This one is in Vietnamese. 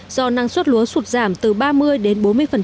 do năng suất lúa sụt giảm từ ba mươi đến bốn mươi